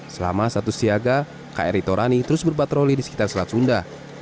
selama satu siaga kri torani terus berpatroli di sekitar selat sunda